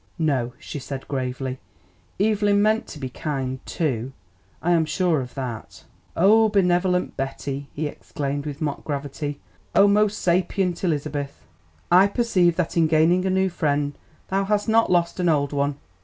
"No," she said gravely. "Evelyn meant to be kind, too; I am sure of that." "O benevolent Betty!" he exclaimed with mock gravity. "O most sapient Elizabeth! I perceive that in gaining a new friend thou hast not lost an old one!